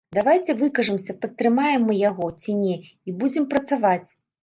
Давайце выкажамся, падтрымаем мы яго ці не, і будзем працаваць.